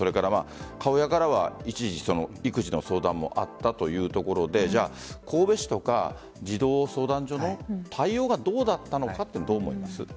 母親からは一時育児の相談もあったというところで神戸市とか児童相談所の対応がどうだったのかどう思います？